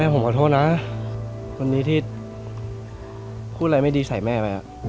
ผมขอโทษนะคนนี้ที่พูดอะไรไม่ดีใส่แม่ไป